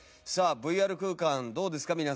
さあＶＲ空間どうですか？